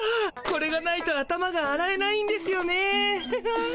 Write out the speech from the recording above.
これがないと頭があらえないんですよね。